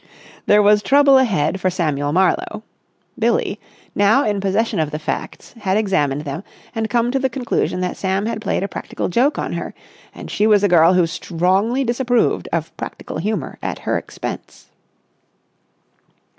There was trouble ahead for Samuel Marlowe. Billie, now in possession of the facts, had examined them and come to the conclusion that Sam had played a practical joke on her, and she was a girl who strongly disapproved of practical humour at her expense.